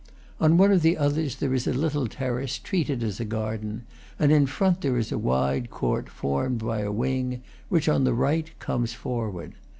On one of the others there is a little terrace, treated as a garden, and in front there is a wide court, formed by a wing which, on the right, comes forward.